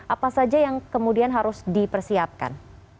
apa saja yang kemudian harus dipersiapkan